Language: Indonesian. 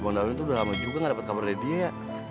bang darwin tuh udah lama juga gak dapet kabar dari dia ya